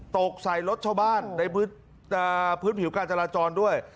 ตกใส่รถชาวบ้านในพื้นผิวการจราจรด้วย